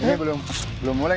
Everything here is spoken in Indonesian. ini belum mulai